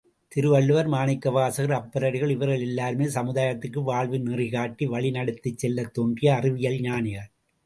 திருவள்ளுவர், மாணிக்கவாசகர், அப்பரடிகள் இவர்கள் எல்லோருமே சமுதாயத்திற்கு வாழ்வு நெறிகாட்டி வழி நடத்திச் செல்லத் தோன்றிய அறிவியல் ஞானிகள்.